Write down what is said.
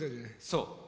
そう。